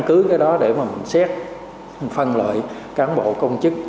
tưới cái đó để mà mình xét phân lợi cán bộ công chức